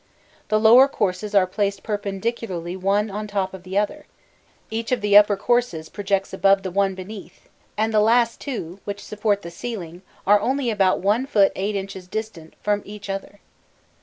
The lower courses are placed perpendicularly one on the top of the other; each of the upper courses projects above the one beneath, and the last two, which support the ceiling, are only about 1 foot 8 inches distant from each other.